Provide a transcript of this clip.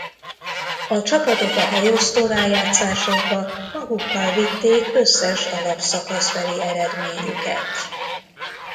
A csapatok a helyosztó rájátszásokba magukkal vitték összes alapszakaszbeli eredményüket.